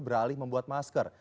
beralih membuat masker